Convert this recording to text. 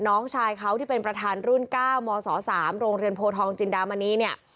น้องชายเขาที่เป็นประธานรุ่น๙มศ๓โรงเรียนโพทองจินดามณีเนี่ย